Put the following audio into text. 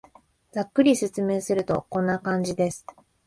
ざっくりと説明すると、こんな感じです